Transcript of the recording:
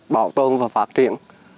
bảo tồn và phát triển